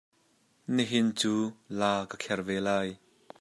Nihin cu la ka kher ve lai.